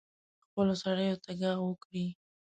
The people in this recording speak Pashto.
خپلو سړیو ته ږغ وکړي.